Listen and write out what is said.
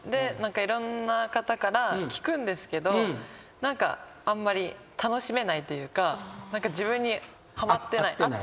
いろんな方から聞くんですけど何かあんまり楽しめないというか自分にはまってない合ってない。